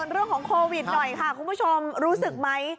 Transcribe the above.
เรื่องของโควิดหน่อยค่ะคุณผู้ชมรู้สึกไหม